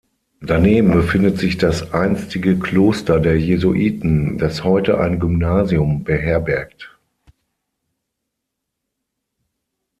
Daneben befindet sich das einstige Kloster der Jesuiten, das heute ein Gymnasium beherbergt.